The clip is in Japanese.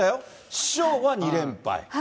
師匠は２連敗。